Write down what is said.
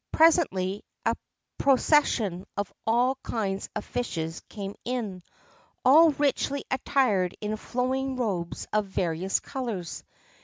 Presently a procession of all kinds of fishes came in, all richly attired in flowing robes of various colours.